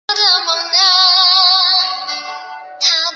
进出冰岛只能通过海路或航空。